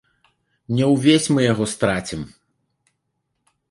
Не ўвесь мы яго страцім.